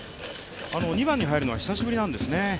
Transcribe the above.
２番に入るのは久しぶりなんですね。